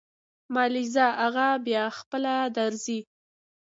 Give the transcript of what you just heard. مالې ځه اغه بيا خپله درځي.